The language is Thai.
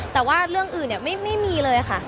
แต่ว่าเรื่องอื่นไม่มีเลยค่ะ